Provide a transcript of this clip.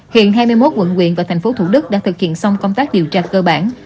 hiện hai mươi một quận quyện và thành phố thủ đức đã thực hiện xong công tác điều tra cơ bản